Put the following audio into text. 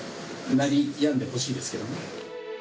鳴りやんでほしいですけどね。